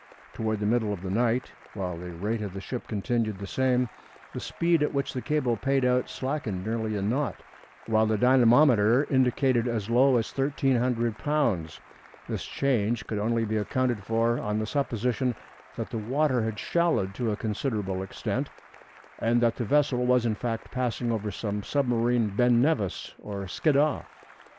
Toward the middle of the night, while the rate of the ship continued the same, the speed at which the cable paid out slackened nearly a knot, while the dynamometer indicated as low as 1,300 lbs. This change could only be accounted for on the supposition that the water had shallowed to a considerable extent, and that the vessel was in fact passing over some submarine Ben Nevis or Skiddaw.